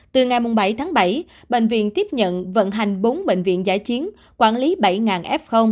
từ ngày bảy tháng bảy bệnh viện tiếp nhận vận hành bốn bệnh viện giải chiến quản lý bảy f